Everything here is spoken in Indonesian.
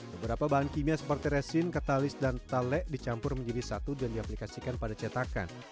beberapa bahan kimia seperti resin katalis dan talek dicampur menjadi satu dan diaplikasikan pada cetakan